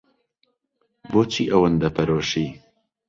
بۆچی ئەوەندە پەرۆشی؟